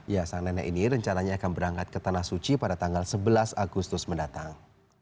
ya sang nenek ini rencananya akan berangkat ke tanah suci pada tanggal sebelas agustus mendatang